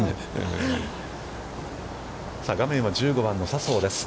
画面は１５番の笹生です。